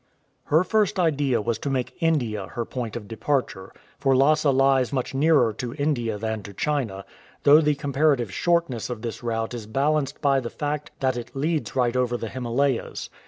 Her first idea was to make India her point of departure, for Lhasa lies much nearer to India than to China, though the comparative shortness of this route is balanced by the fact that it leads right over the Himalayas.